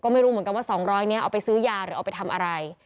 หรือเอาไปทำอะไร